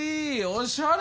おしゃれ。